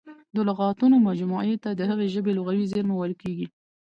د لغاتونو مجموعې ته د هغې ژبي لغوي زېرمه ویل کیږي.